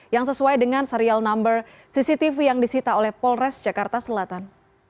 yang sesuai dengan serial number cctv yang disita oleh polres jakarta selatan